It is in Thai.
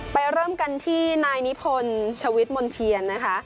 เริ่มกันที่นายนิพนธ์ชวิตมนเทียนนะคะ